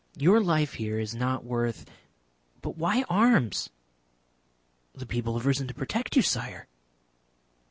"Your life here is not worth " "But why arms?" "The people have risen to protect you, Sire.